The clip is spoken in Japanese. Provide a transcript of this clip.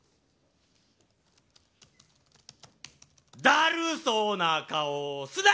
だるそうな顔すな！